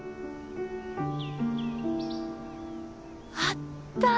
あったー！